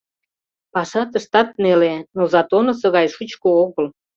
Паша тыштат неле, но затонысо гай шучко огыл.